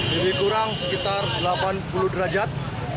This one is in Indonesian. jadi kurang sekitar delapan puluh derajat